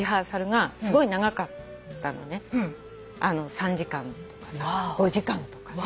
３時間とかさ５時間とかね。